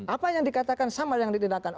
apa yang dikatakan sama yang ditindakkan